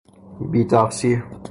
بیتقصیر